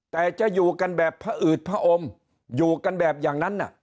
แต่จะอยู่กันแบบผอืดผอมอยู่กันแบบอย่างนั้น